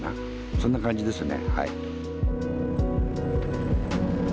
そんな感じですね。